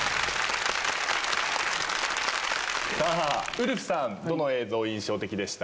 ウルフさんどの映像印象的でした？